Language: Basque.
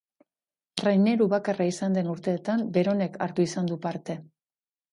Traineru bakarra izan den urteetan beronek hartu izan du parte.